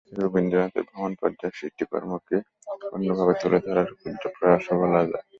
একে রবীন্দ্রনাথের ভ্রমণপর্যায়ের সৃষ্টিকর্মকে অন্যভাবে তুলে ধরার ক্ষুদ্র প্রয়াসও বলা যায়।